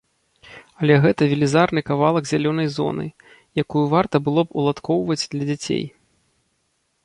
Але гэта велізарны кавалак зялёнай зоны, якую варта было б уладкоўваць для дзяцей.